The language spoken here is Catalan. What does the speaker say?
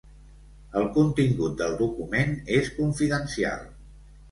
El contingut del document és confidencial.